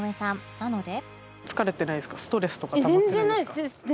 なので